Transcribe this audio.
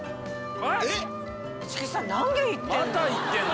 また行ってんの？